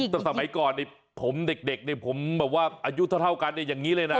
แต่สมัยก่อนผมเด็กผมอายุเท่ากันอย่างนี้เลยนะ